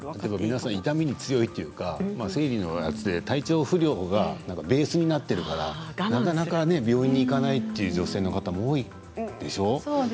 皆さん痛みに強いというか生理の場合、体調不良がベースになっているからなかなか病院に行かない女性の方も多いでしょう？